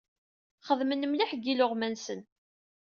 Xedmen mliḥ deg yiluɣma-nsen.